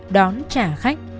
đón trả khách